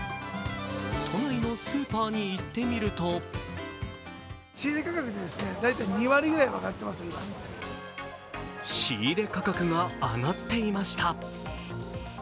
都内のスーパーに行ってみると仕入価格が上っていました。